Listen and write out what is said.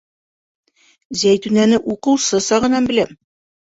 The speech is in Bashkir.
Зәйтүнәне уҡыусы сағынан беләм.